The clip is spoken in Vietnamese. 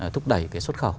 thúc đẩy cái xuất khẩu